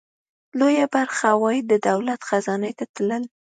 لویه برخه عواید د دولت خزانې ته تلل.